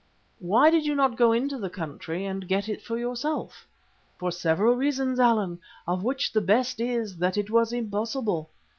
"Why did you not go into the country and get it for yourself?" "For several reasons, Allan, of which the best is that it was impossible.